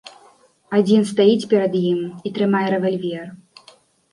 Адзін стаіць перад ім і трымае рэвальвер.